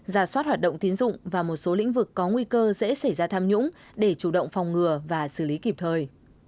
giả soát hoạt động tiến dụng và một số lĩnh vực có nguy cơ dễ xảy ra tham nhũng để chủ động phòng ngừa và xử lý kịp thời